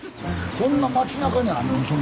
こんな町なかにあんの？